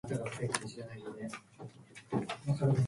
今日はバイトだ。